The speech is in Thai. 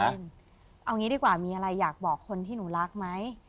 เอางี้ดีกว่ามีอะไรอยากบอกคนที่หนูรักไหม